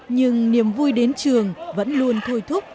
nhưng niềm vui đến trường vẫn luôn thôi thúc